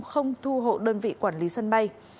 không thu hộ đơn vị quản lý sân bay